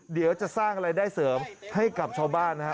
เดี๋ยวจะสร้างอะไรได้เสริมให้กับชาวบ้าน